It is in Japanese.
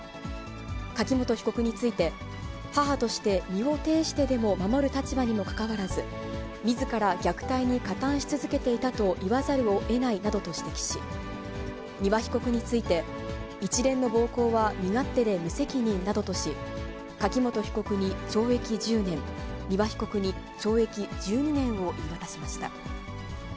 柿本被告について、母として身をていしてでも守る立場にもかかわらず、みずから虐待に加担し続けていたと言わざるをえないなどと指摘し、丹羽被告について、一連の暴行は身勝手で無責任などとし、柿本被告に懲役１０年、丹羽被告に懲役１２年を言い渡しました。